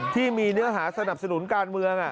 ที่มีเนื้อหาสนับสนุนการเมือง